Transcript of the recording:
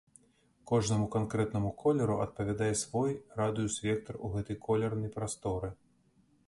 Кожнаму канкрэтнаму колеру адпавядае свой радыус-вектар у гэтай колернай прасторы.